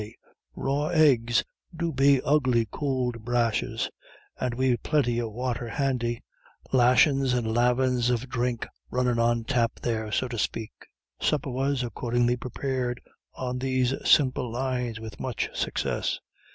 "Raw eggs do be ugly could brashes, and we've plinty of wather handy lashins and lavins of dhrink runnin' on tap there, so to spake." Supper was accordingly prepared on these simple lines with much success.